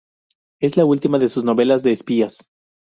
Es la última de sus novelas de espías.